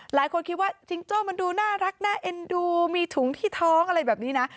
หลายคนคิดว่าจิงโจ้มันดูน่ารักน่าเอ็นดูมีถุงที่ท้องอะไรแบบนี้นะ